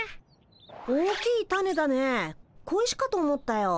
大きいタネだね小石かと思ったよ。